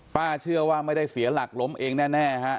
เชื่อว่าไม่ได้เสียหลักล้มเองแน่ฮะ